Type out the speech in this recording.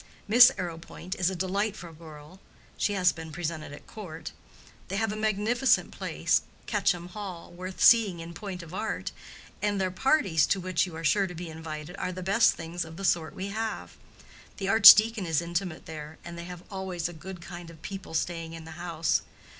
Miss Arrowpoint is a delightful girl—she has been presented at Court. They have a magnificent place—Quetcham Hall—worth seeing in point of art; and their parties, to which you are sure to be invited, are the best things of the sort we have. The archdeacon is intimate there, and they have always a good kind of people staying in the house.